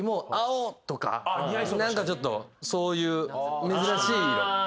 何かちょっとそういう珍しい色。